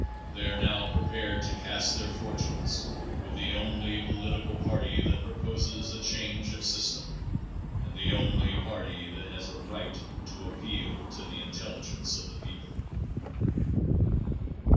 They are now prepared to cast their fortunes with the only political party that proposes a change of system and the only party that has a right to appeal to the intelligence of the people.